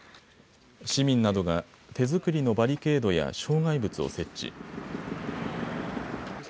市民などが手作りのバリケードや障害物を設置。